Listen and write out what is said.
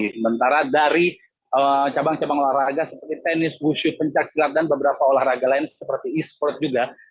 sementara dari cabang cabang olahraga seperti tenis wushu pencak silat dan beberapa olahraga lain seperti esports juga